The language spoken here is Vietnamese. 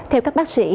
theo các bác sĩ